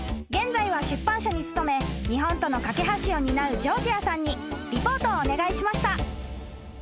現在は出版社に勤め日本との懸け橋を担うジョージアさんにリポートをお願いしました］